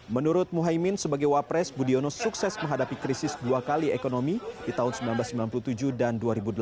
menurut muhaymin sebagai wapres budiono sukses menghadapi krisis dua kali ekonomi di tahun seribu sembilan ratus sembilan puluh tujuh dan dua ribu delapan